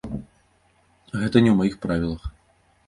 Гэта не ў маіх правілах.